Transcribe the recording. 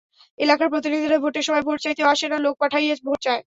এলাকার প্রতিনিধিরা ভোটের সময় ভোট চাইতেও আসে না, লোক পাঠাইয়্যা ভোট চায়।